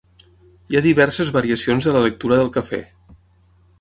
Hi ha diverses variacions de la lectura del cafè.